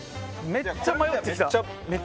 めっちゃ迷ってきた。